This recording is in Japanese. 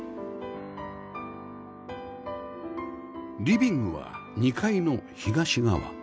リビングは２階の東側